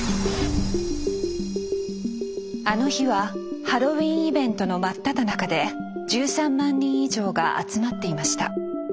あの日はハロウィーンイベントの真っただ中で１３万人以上が集まっていました。